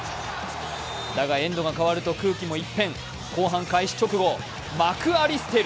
だがエンドが変わると空気も一変、後半開始直後、マク・アリステル！